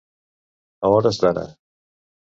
A hores d'ara.